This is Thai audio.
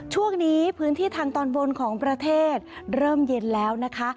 ช่วงนี้พื้นที่ทางตอนบนของประเทศเริ่มเย็นแล้วนะคะ